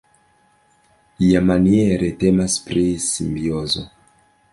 Iamaniere temas pri simbiozo.